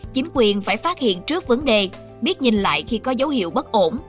chính quyền phải phát hiện trước vấn đề biết nhìn lại khi có dấu hiệu bất ổn